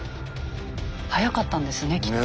はやかったんですねきっと。